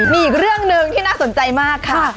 มีอีกเรื่องหนึ่งที่น่าสนใจมากค่ะ